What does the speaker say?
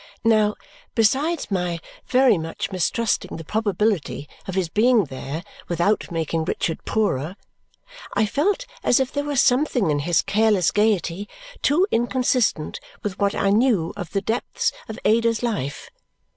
Now, besides my very much mistrusting the probability of his being there without making Richard poorer, I felt as if there were something in his careless gaiety too inconsistent with what I knew of the depths of Ada's life.